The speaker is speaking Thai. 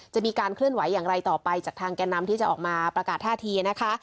จะมีการเคลื่อนไหวอย่างไรต่อไปจากทางแก่นำที่จะออกมาประกาศท่าทีนะคะ